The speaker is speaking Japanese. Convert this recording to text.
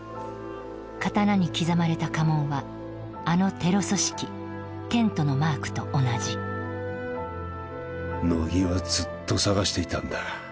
刀に刻まれた家紋はあのテロ組織テントのマークと同じ乃木はずっと捜していたんだ